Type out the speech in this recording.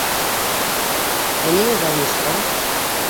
Ә ниңә балнисҡа...